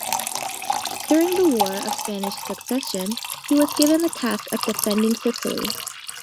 During the War of Spanish Succession, he was given the task of defending Sicily.